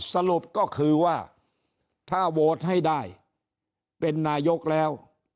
สรุปก็คือว่าถ้าโหวตให้ได้เป็นนายกแล้ว